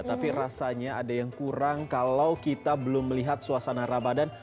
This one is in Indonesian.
tapi rasanya ada yang kurang kalau kita belum melihat suasana ramadan